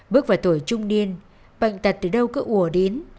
bước vào tuổi trung niên bệnh tật từ đâu cứ ùa đến